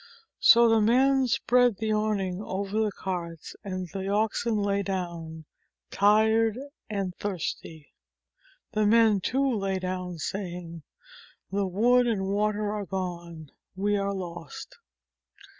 So the men spread the awning over the carts, and the oxen lay down, tired and thirsty. The men, too, lay down saying, "The wood and water are gone we are lost."